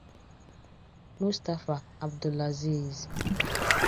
Mustapha Abdulazeez